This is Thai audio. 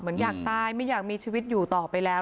อยากตายไม่อยากมีชีวิตอยู่ต่อไปแล้ว